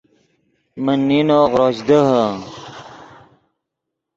من نینو غروش دیہے